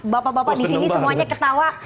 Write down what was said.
bapak bapak disini semuanya ketawa